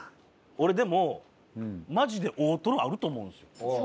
俺でもマジで大トロあると思うんですよ。